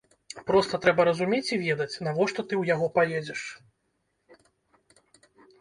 Проста трэба разумець і ведаць, навошта ты ў яго паедзеш.